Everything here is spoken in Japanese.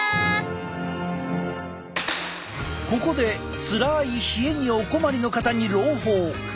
ここでつらい冷えにお困りの方に朗報！